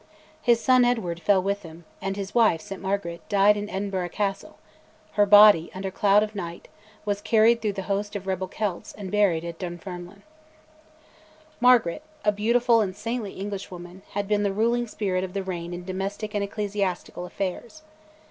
His son Edward fell with him, and his wife, St Margaret, died in Edinburgh Castle: her body, under cloud of night, was carried through the host of rebel Celts and buried at Dunfermline. Margaret, a beautiful and saintly Englishwoman, had been the ruling spirit of the reign in domestic and ecclesiastical affairs.